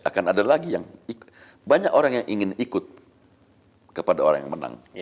akan ada lagi yang banyak orang yang ingin ikut kepada orang yang menang